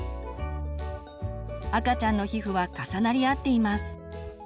赤ちゃんの皮膚は重なり合っています。